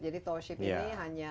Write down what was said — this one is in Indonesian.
jadi tol sip ini hanya